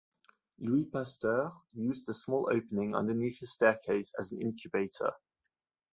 Louis Pasteur used the small opening underneath his staircase as an incubator.